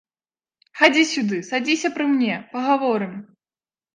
Хадзі сюды, садзіся пры мне, пагаворым.